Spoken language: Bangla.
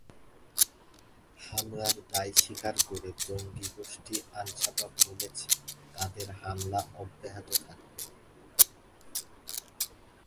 হামলার দায় স্বীকার করে জঙ্গি গোষ্ঠী আল-শাবাব বলেছে, তাদের হামলা অব্যাহত থাকবে।